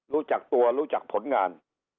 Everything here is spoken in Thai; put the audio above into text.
รู้จักตัวรู้จักผลงาน